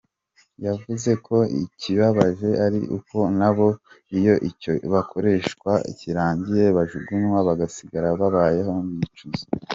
Yavuze ko ikibabaje ari uko nabo iyo icyo bakoreshwa kirangiye bajugunywa bagasigara babayeho bicuza.